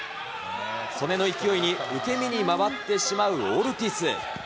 素根の勢いに受け身に回ってしまうオルティス。